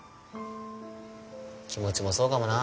気持ちもそうかもな。